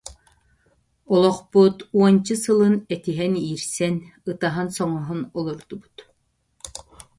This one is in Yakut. Олохпут уонча сылын этиһэн-иирсэн, ытаһан-соҥоһон олордубут